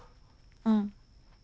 うん。